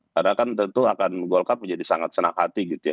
karena kan tentu akan gokar menjadi sangat senang hati gitu ya